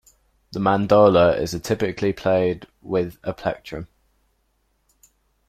The mandola is typically played with a plectrum.